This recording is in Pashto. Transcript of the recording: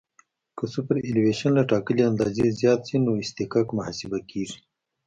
که سوپرایلیویشن له ټاکلې اندازې زیات شي نو اصطکاک محاسبه کیږي